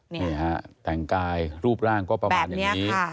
นี่ฮะแต่งกายรูปร่างก็ประมาณอย่างนี้